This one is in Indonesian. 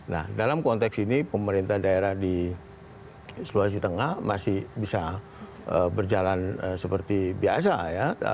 nah dalam konteks ini pemerintah daerah di sulawesi tengah masih bisa berjalan seperti biasa ya